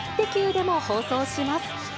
でも放送します。